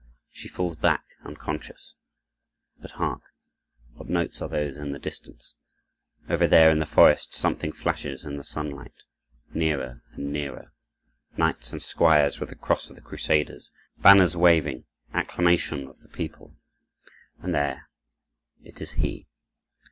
She falls back unconscious. But hark! What notes are those in the distance? Over there in the forest something flashes in the sunlight—nearer and nearer! Knights and squires with the cross of the crusaders, banners waving, acclamations of the people. And there, it is he!